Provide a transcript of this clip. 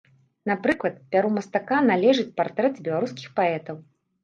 Напрыклад, пяру мастака належаць партрэты беларускіх паэтаў.